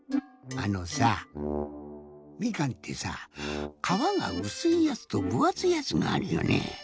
あのさみかんってさかわがうすいやつとぶあついやつがあるよね。